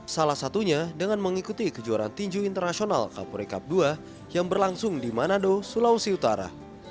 salah satunya dengan mengikuti kejuaraan tinju internasional kapolri cup dua yang berlangsung di manado sulawesi utara